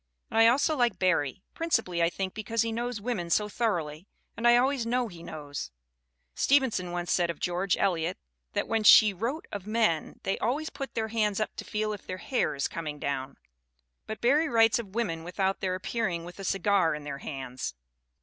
And I also like Barrie ; principally, I think, because he knows women so thoroughly, and I always know he knows. Stevenson once said of George Eliot that when she wrote of men they always put their hands up to feel if their hair is coming down; but Barrie writes of women without their appearing with a cigar in their hands."